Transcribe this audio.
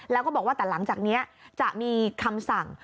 แล้วก็บอกว่าแต่หลังจากนี้จะมีคำสั่ง